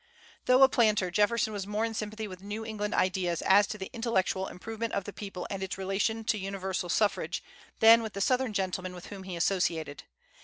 Though a planter, Jefferson was more in sympathy with New England ideas, as to the intellectual improvement of the people and its relation to universal suffrage, than with the Southern gentlemen with whom he associated.